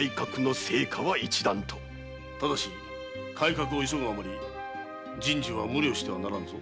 ただし改革を急ぐあまり人事は無理をしてはならぬぞ。